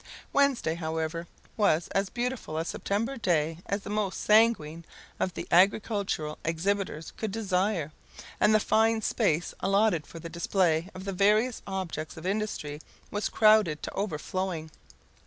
Wednesday, however, was as beautiful a September day as the most sanguine of the agricultural exhibitors could desire, and the fine space allotted for the display of the various objects of industry was crowded to overflowing.